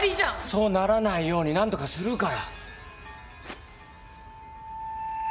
そうならないように何とかするから。